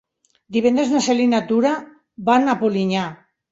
Divendres na Cel i na Tura van a Polinyà.